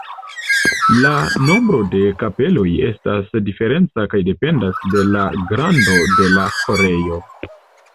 La nombro de kapeloj estas diferenca kaj dependas de la grando de la ĥorejo.